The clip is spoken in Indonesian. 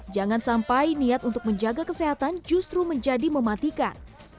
jangan sampai niat untuk menjaga kesehatan justru menjadi mematikan